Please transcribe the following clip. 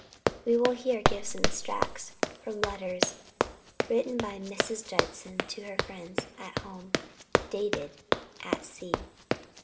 We will here give some extracts from letters written by Mrs. Judson to her friends at home, dated "at sea."